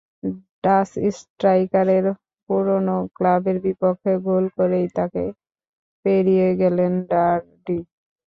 Dutch স্ট্রাইকারের পুরোনো ক্লাবের বিপক্ষে গোল করেই তাঁকে পেরিয়ে গেলেন ভার্ডি।